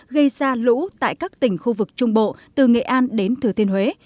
gây ra lũ tại các tỉnh khu vực trung bộ từ nghệ an đến thừa thiên huế